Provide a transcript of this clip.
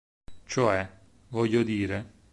Cioè... voglio dire...